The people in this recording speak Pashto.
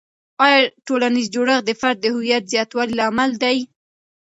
آیا ټولنیز جوړښت د فرد د هویت زیاتوالي لامل دی؟